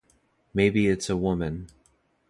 Maybe it’s a woman.